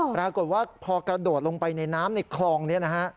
ปรากฏว่าพอกระโดดลงไปในน้ำในคลองนี้นะฮะ